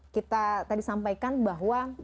kita tadi sampaikan bahwa